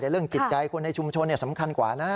เรื่องจิตใจคนในชุมชนสำคัญกว่านะ